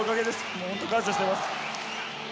もう本当感謝してます。